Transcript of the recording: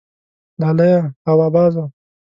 لالیه هوا بازه